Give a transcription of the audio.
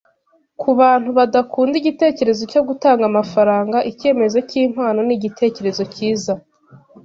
Kubantu badakunda igitekerezo cyo gutanga amafaranga, icyemezo cyimpano nigitekerezo cyiza.